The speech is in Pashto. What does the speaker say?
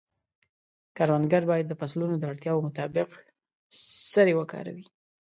کروندګر باید د فصلونو د اړتیاوو مطابق سرې وکاروي.